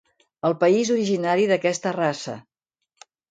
El país originari d'aquesta raça.